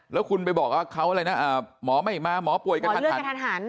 แล้วคุณไปบอกว่าเขาอะไรนะหมอไม่มาหมอป่วยกันทันหมอเลื่อนกันทัน